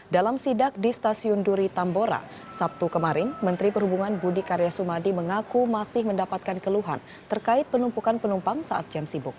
dalam sidak di stasiun duri tambora sabtu kemarin menteri perhubungan budi karya sumadi mengaku masih mendapatkan keluhan terkait penumpukan penumpang saat jam sibuk